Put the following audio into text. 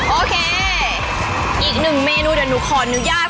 โอเคอีกหนึ่งเมนูเดี๋ยวหนูขออนุญาต